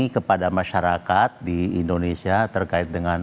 kepada masyarakat di indonesia terkait dengan